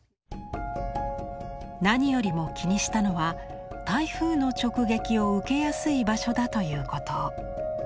何よりも気にしたのは台風の直撃を受けやすい場所だということ。